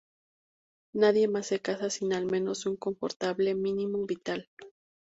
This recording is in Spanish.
Nadie más se casa sin al menos un confortable mínimo vital.